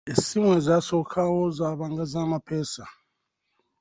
Essimu ezasookawo zaabanga za mapeesa.